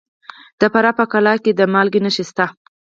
د فراه په قلعه کاه کې د مالګې نښې شته.